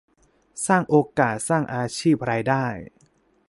สร้างโอกาสสร้างอาชีพรายได้